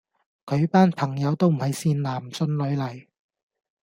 佢班朋友都唔係善男信女嚟